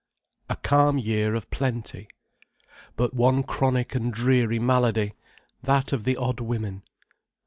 A calm year of plenty. But one chronic and dreary malady: that of the odd women.